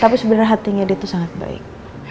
tapi sebenernya hatinya dia tuh sangat baik